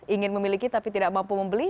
ingin memiliki tapi tidak mampu membeli